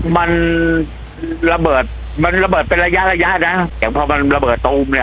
มันระเบิดมันระเบิดเป็นระยะระยะนะแต่พอมันระเบิดตูมเนี้ย